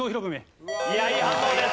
いやいい反応です。